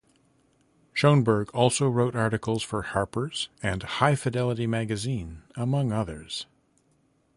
Schonberg also wrote articles for Harper's and High Fidelity magazine, among others.